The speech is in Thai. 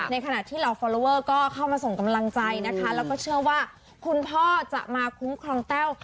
ในขณะที่เหล่าฟอลลอเวอร์ก็เข้ามาส่งกำลังใจนะคะแล้วก็เชื่อว่าคุณพ่อจะมาคุ้มครองแต้ว